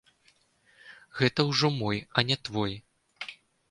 Гэта ўжо мой, а не твой.